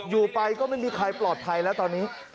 อยู่ไปก็ไม่มีใครปลอดภัยแล้วตอนนี้